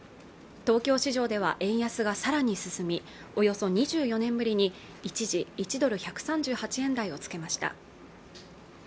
東京市場では円安がさらに進みおよそ２４年ぶりに一時１ドル１３８円台をつけました